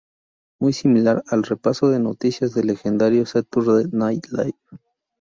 Muy similar al repaso de noticias del legendario "Saturday Night Live".